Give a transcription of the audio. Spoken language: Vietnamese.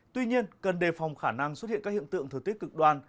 tuy nhiên cần đề phòng khả năng xuất hiện các hiện tượng thừa tiết cực đoan